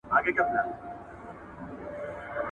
غزل مي درلېږمه خوښوې یې او که نه ..